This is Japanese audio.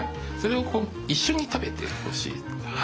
それを一緒に食べてほしい。